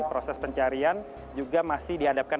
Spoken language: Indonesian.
proses pencarian juga masih dihadapkan